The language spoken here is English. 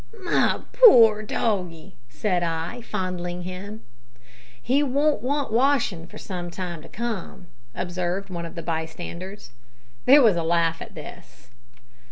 "My poor doggie!" said I, fondling him. "He won't want washin' for some time to come," observed one of the bystanders. There was a laugh at this.